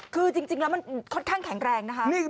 คือจริงแล้วมันเก่งขังแข็งนะครับ